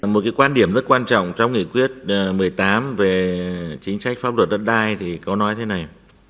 một quan điểm rất quan trọng trong nghị quyết một mươi tám về chính sách pháp luật đất đai thì có nói thế này